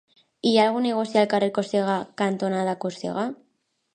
Hi ha algun negoci al carrer Còrsega cantonada Còrsega?